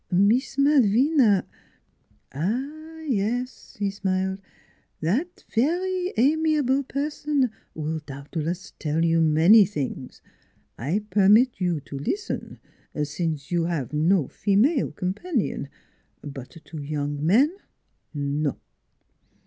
" Mees Malvina "" Ah, yes," he smiled, " that very amiable per son will doubtless tell you many things. I permit you to listen, since you have no female com panion; but to young men no!